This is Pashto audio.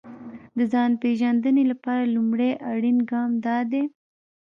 د ځان پېژندنې لپاره لومړی اړين ګام دا دی.